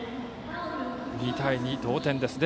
２対２、同点です。